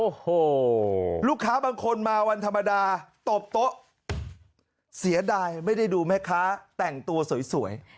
โอ้โหลูกค้าบางคนมาวันธรรมดาตบโต๊ะเสียดายไม่ได้ดูแม่ค้าแต่งตัวสวย